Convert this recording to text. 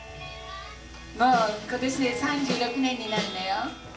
もう今年で３６年になるのよ